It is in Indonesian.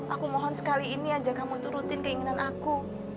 aku mohon sekali ini aja kamu turutin keinginan aku